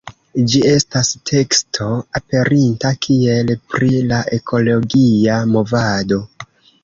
Ĝi estas teksto aperinta kiel “Pri la ekologia movado.